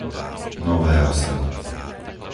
Nové Osady